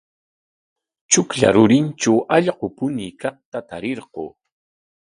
Chuklla rurintraw allqu puñuykaqta tarirqun.